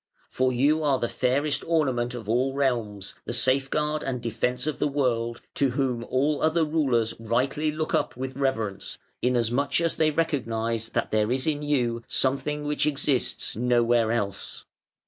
For you are the fairest ornament of all realms, the safeguard and defence of the world; to whom all other rulers rightly look up with reverence, inasmuch as they recognise that there is in you something which exists nowhere else.